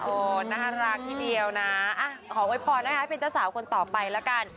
น่ารักทีเดียวนะขอโวยพรนะคะให้เป็นเจ้าสาวคนต่อไปละกัน